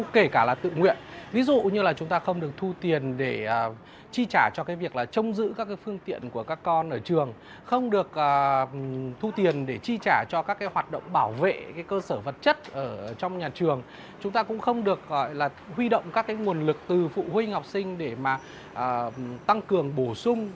quy động các nguồn lực từ phụ huynh học sinh để tăng cường bổ sung